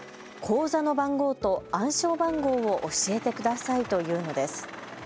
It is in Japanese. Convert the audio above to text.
口座の番号と暗証番号を教えてくださいというのです。